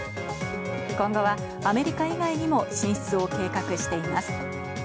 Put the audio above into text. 今後はアメリカ以外にも進出を計画しています。